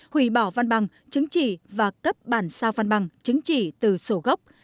hủy bỏ văn bằng chứng chỉ và cấp bản sao văn bằng chứng chỉ từ sổ gốc